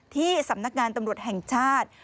ที่สำนักงานตำรวจแห่งชาติ